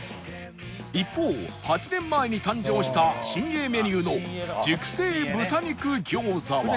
一方８年前に誕生した新鋭メニューの熟成豚肉餃子は